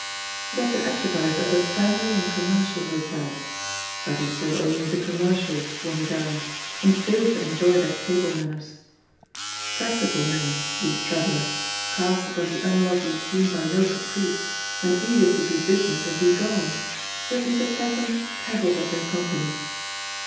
It had been advertised as a "Family and Com mercial Hotel," but he saw only the commercials when he dined, and failed to enjoy their table manners. Practical men, these travellers," cast upon the unlovely scene by no caprice, and eager to do good business and be gone, yet Mr. Tdtham cavilled at their company.